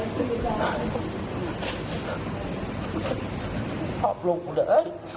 ขอบลูกเหลือ